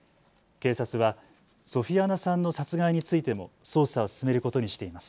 警察はソフィアナさんの殺害についても捜査を進めることにしています。